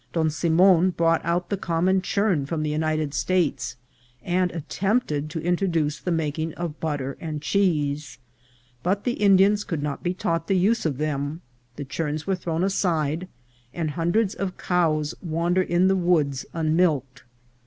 Don Simon brought out the common churn from the United States, and attempted to introduce the making of butter and cheese ; but the Indians could not be taught the use of them, the churns were thrown aside, and hundreds of cows wander in the woods unmilked.